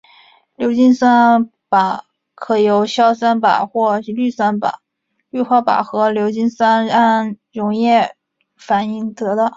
硫氰酸钯可由硝酸钯或氯化钯和硫氰酸铵溶液反应得到。